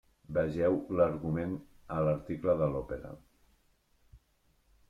Vegeu l'argument a l'article de l'òpera.